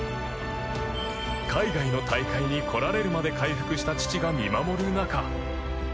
海外の大会に来られるまで回復した父が見守る中。